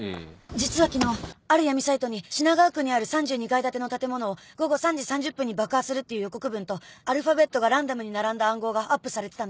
実は昨日ある闇サイトに品川区にある３２階建ての建物を午後３時３０分に爆破するっていう予告文とアルファベットがランダムに並んだ暗号がアップされてたんです。